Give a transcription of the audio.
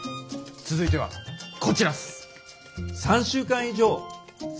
続いてはこちらっす！